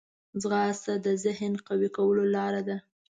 ځغاسته د ذهن قوي کولو لاره ده